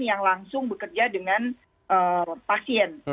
yang langsung bekerja dengan pasien